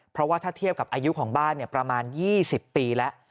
เพราะว่าถ้าเทียบกับอายุของบ้านประมาณ๒๐ปีแล้ว